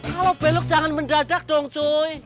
kalau belok jangan mendadak dong joy